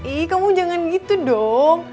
ih kamu jangan gitu dong